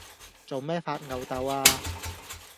做咩發漚豆呀？